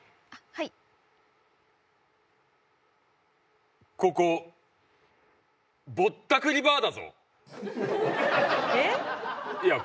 はいここぼったくりバーだぞいや